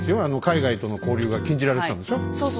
あの海外との交流が禁じられてたんでしょ？